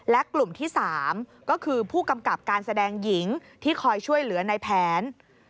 และกลุ่มที่๓ก็คือผู้กำกับการแสดงหญิงที่คอยช่วยเหลือในแผน